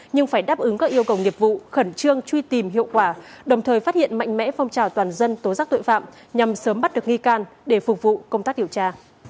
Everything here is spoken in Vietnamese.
nhưng phải đáp ứng các yêu cầu nghiệp vụ khẩn trương truy tìm hiệu quả đồng thời phát hiện mạnh mẽ phong trào toàn dân tố rắc tội phạm nhằm sớm bắt được nghi can để phục vụ công tác điều tra